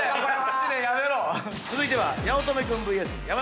続いては八乙女君ＶＳ山田君。